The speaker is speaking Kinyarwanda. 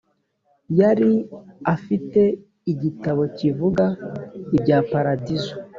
yari afite igitabo kivuga ibya paradizo